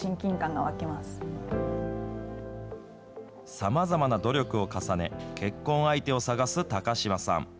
さまざまな努力を重ね、結婚相手を探す高嶋さん。